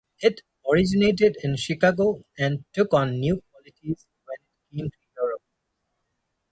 It originated in Chicago and took on new qualities when it came to Europe.